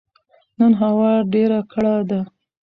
نن هوا ډيره کړه ده